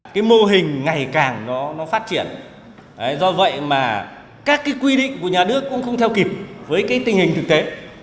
cái mô hình ngày càng nó phát triển do vậy mà các cái quy định của nhà nước cũng không theo kịp với cái tình hình thực tế